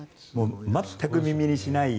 全く耳にしない。